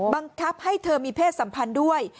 บังคับให้เธอมีเพศสัมพันธ์ด้วย